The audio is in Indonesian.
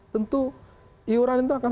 tentu iuran itu akan